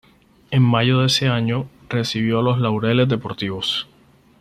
En mayo de ese año, recibió los Laureles Deportivos.